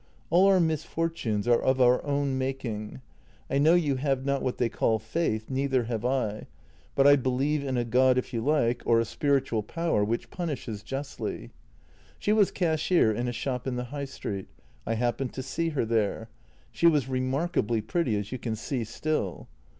All our misfortunes are of our own making. I know you have not what they call faith, neither have I — but I be lieve in a God, if you like, or a spiritual power which punishes justly. " She was cashier in a shop in the High Street; I happened to see her there. She was remarkably pretty, as you can see still.